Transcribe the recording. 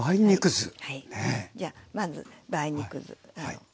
じゃあまず梅肉酢。